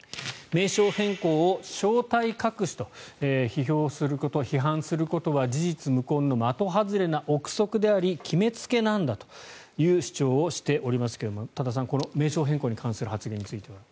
名称変更を正体隠しと批判することは事実無根の的外れな臆測であり決めつけなんだという主張をしておりますが多田さん、この名称変更に関する発言については。